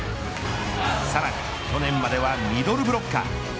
さらに去年まではミドルブロッカー。